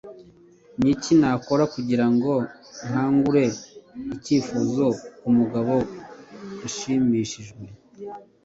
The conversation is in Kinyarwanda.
niki nakora kugirango nkangure icyifuzo kumugabo nshimishijwe